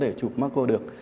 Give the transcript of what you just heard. để chụp macro được